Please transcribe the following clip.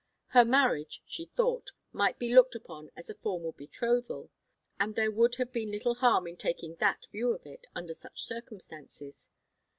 Her marriage, she thought, might be looked upon as a formal betrothal, and there would have been little harm in taking that view of it, under such circumstances.